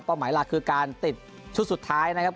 หมายหลักคือการติดชุดสุดท้ายนะครับ